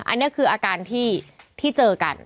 อันนี้คืออาการที่เจอกัน